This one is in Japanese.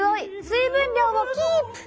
水分量をキープ！